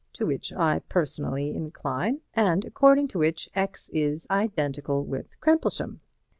2, to which I personally incline, and according to which X is identical with Crimplesham.